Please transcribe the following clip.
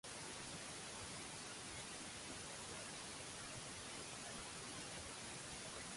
The story is set within the "Zone of the Enders" universe.